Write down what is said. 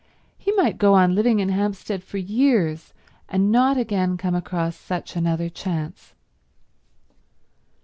He might go on living in Hampstead for years, and not again come across such another chance.